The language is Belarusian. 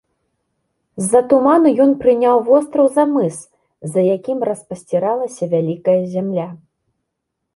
З-за туману ён прыняў востраў за мыс, за якім распасціралася вялікая зямля.